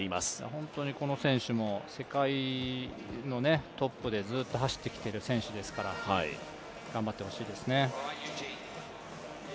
本当にこの選手も世界のトップでずっと走ってきている選手ですから頑張ってほしいですね。